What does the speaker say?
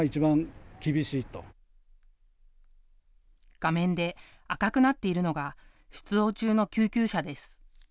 画面で赤くなっているのが出動中の救急車です。